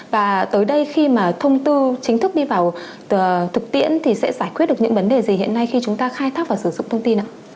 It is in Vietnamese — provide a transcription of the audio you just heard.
và tới đây khi mà thông tư chính thức đi vào thực tiễn thì sẽ giải quyết được những vấn đề gì hiện nay khi chúng ta khai thác và sử dụng thông tin ạ